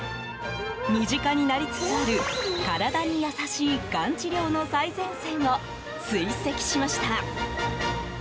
身近になりつつある体に優しいがん治療の最前線を追跡しました。